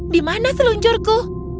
di mana seluncurku